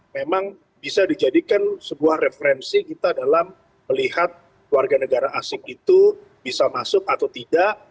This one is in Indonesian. memang bisa dijadikan sebuah referensi kita dalam melihat warga negara asing itu bisa masuk atau tidak